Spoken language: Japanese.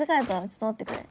ちょっと待ってくれ。